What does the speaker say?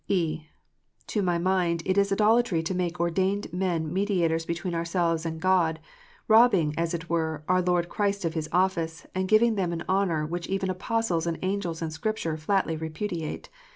(e) To my mind, it is idolatry to make ordained men mediators between ourselves and God, robbing, as it were, our Lord Christ of His office, and giving them an honour which even Apostles and angels in Scripture flatly repudiate.